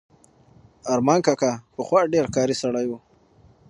ارمان کاکا پخوا ډېر کاري سړی و.